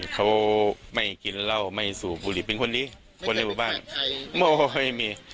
เขาไม่กินเหล้าไม่สูบบุรีคนได้เป็นหมาใหญ่